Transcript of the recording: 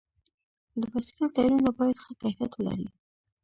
د بایسکل ټایرونه باید ښه کیفیت ولري.